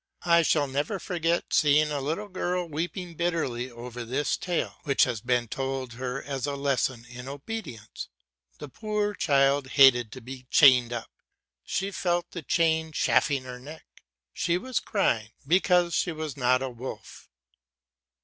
I shall never forget seeing a little girl weeping bitterly over this tale, which had been told her as a lesson in obedience. The poor child hated to be chained up; she felt the chain chafing her neck; she was crying because she was not a wolf.